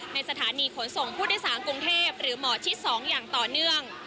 ในสถานีขนส่งผู้โดยสารกรุงเทพหรือหมอชิด๒อย่างต่อเนื่อง